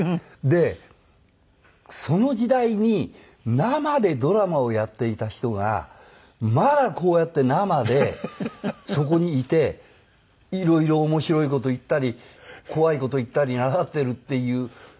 でその時代に生でドラマをやっていた人がまだこうやって生でそこにいて色々面白い事言ったり怖い事言ったりなさっているっていう。